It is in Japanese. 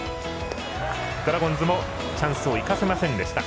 ドラゴンズもチャンスを生かせませんでした。